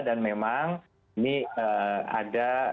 dan memang ini ada